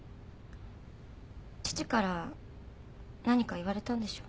父から何か言われたんでしょう？